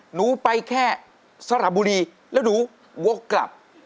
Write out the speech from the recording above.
หนูไปแค่สระบุรีแล้วหนูวกกลับ